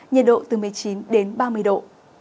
nhiệt độ từ một mươi chín đến ba mươi độ